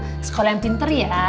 sekolah yang pinter ya